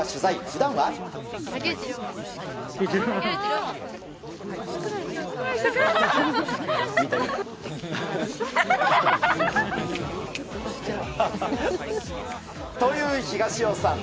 普段は。という東尾さん。